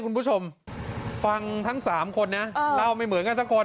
คุณผู้ชมฟังทั้ง๓คนนะเล่าไม่เหมือนกันสักคน